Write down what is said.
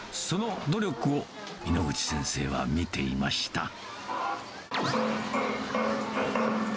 その努力を猪口先生は見ていました。